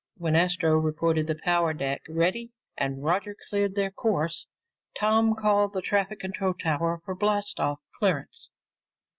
When Astro reported the power deck ready and Roger cleared their course, Tom called the traffic control tower for blast off clearance.